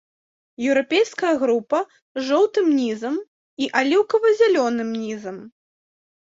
Еўрапейская група з жоўтым нізам і аліўкава-зялёным нізам.